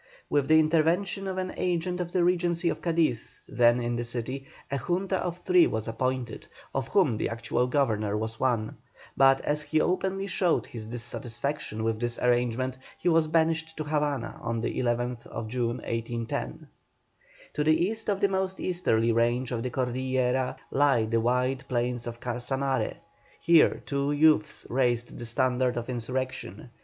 With the intervention of an agent of the Regency of Cadiz, then in the city, a Junta of three was appointed, of whom the actual governor was one; but as he openly showed his dissatisfaction with this arrangement, he was banished to Havana on the 11th June, 1810. To the east of the most easterly range of the Cordillera lie the wide plains of Casanare; here two youths raised the standard of insurrection.